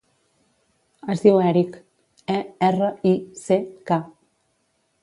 Es diu Erick: e, erra, i, ce, ca.